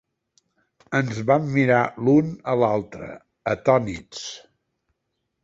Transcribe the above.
Ens vam mirar l'un a l'altre, atònits.